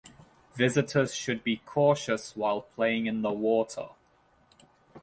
Visitors should be cautious while playing in the water.